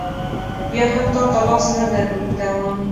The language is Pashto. بیا هم تا ته لاس نه در اوږدوم.